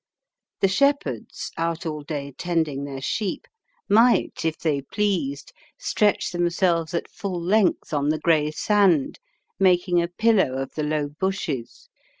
The shepherds, out all day tending their sheep, might, if they pleased, stretch themselves at full length on the grey sand, making a pillow of the low bushes.